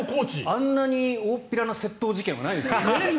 あんなに大っぴらな窃盗事件はないです。